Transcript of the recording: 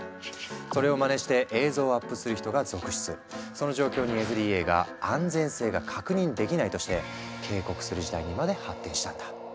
その状況にＦＤＡが「安全性が確認できない」として警告する事態にまで発展したんだ。